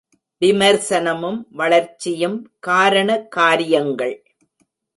விமர்சனமும் வளர்ச்சியும் காரண காரியங்கள்.